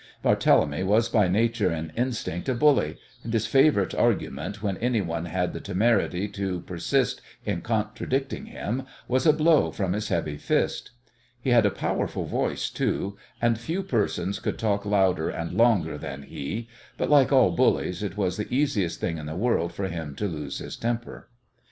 Barthélemy was by nature and instinct a bully, and his favourite "argument" when anyone had the temerity to persist in contradicting him was a blow from his heavy fist. He had a powerful voice, too, and few persons could talk louder and longer than he, but, like all bullies, it was the easiest thing in the world for him to lose his temper.